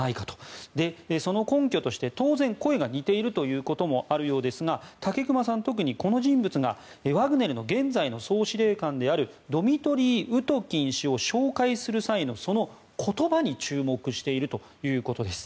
その根拠として当然、声が似ているということもあるようですが武隈さんは特にこの人物がワグネルの現在の総司令官であるドミトリー・ウトキン氏を紹介する際のその言葉に注目しているということです。